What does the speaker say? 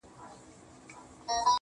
o انساني وجدان ګډوډ پاتې کيږي تل,